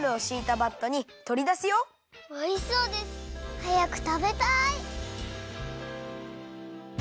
はやくたべたい！